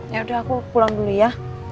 yaudah aku pulang dulu ya